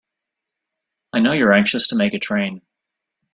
I know you're anxious to make a train.